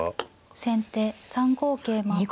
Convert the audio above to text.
先手３五桂馬。